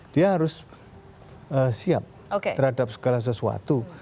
dia harus siap terhadap segala sesuatu